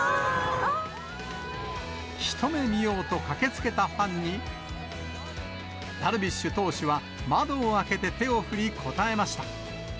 一目見ようと駆けつけたファンに、ダルビッシュ投手は窓を開けて手を振り、応えました。